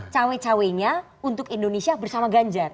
cewek ceweknya untuk indonesia bersama ganjar